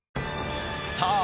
さあ